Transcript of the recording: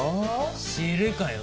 知るかよ